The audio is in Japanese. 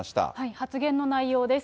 発言の内容です。